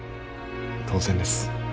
当然です。